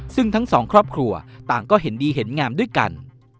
ซึ่งทั้งสองครอบครัวต่างก็เห็นดีเห็นงามด้วยกัน